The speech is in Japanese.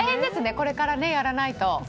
これからやらないと。